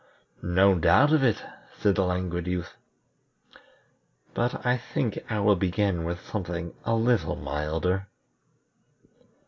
"No doubt of it," said the Languid Youth; "but I think I will begin with something a little milder."